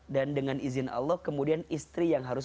dan dengan izin allah kemudian istri yang harus